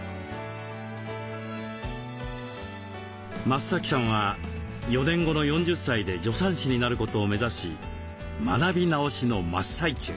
増さんは４年後の４０歳で助産師になることを目指し学び直しの真っ最中。